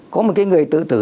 có một cái người tự tử